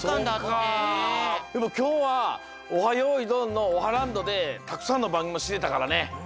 でもきょうは「オハ！よいどん」のオハランドでたくさんのばんぐみもしれたからね。